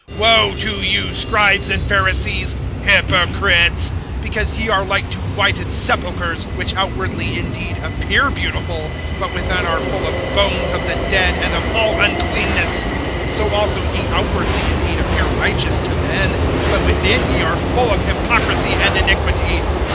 (27)Woe to you, scribes and Pharisees, hypocrites! because ye are like to whited sepulchres, which outwardly indeed appear beautiful, but within are full of bones of the dead, and of all uncleanness. (28)So also ye outwardly indeed appear righteous to men, but within ye are full of hypocrisy and iniquity.